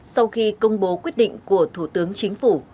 sau khi công bố quyết định của thủ tướng chính phủ